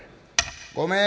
「ごめん。